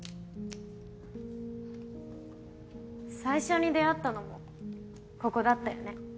最初に出会ったのもここだったよね。